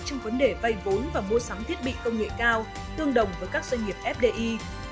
trong vấn đề vay vốn và mua sắm thiết bị công nghệ cao tương đồng với các doanh nghiệp fdi